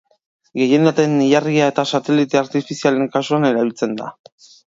Gehienetan ilargia eta satelite artifizialen kasuan erabiltzen da.